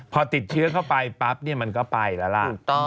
พอติดเชื้อเข้าไปปั๊บมันก็ไปแล้วล่ะ